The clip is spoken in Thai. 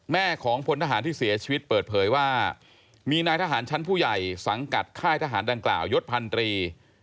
แม่ของพลทหารที่เสียชีวิตเปิดเผยว่ามีนายทหารชั้นผู้ใหญ่สังกัดค่ายทหารดังกล่าวยศพันตรี